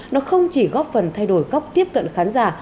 nó không chỉ góp phần thay đổi cách tiếp cận khán giả